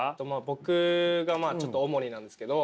僕がちょっと主になんですけど。